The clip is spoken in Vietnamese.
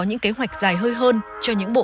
những kế hoạch dài hơi hơn cho những bộ